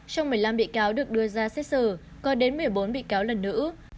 trong một mươi năm bị cáo được đưa ra xét xử có đến một mươi bốn bị cáo là nữ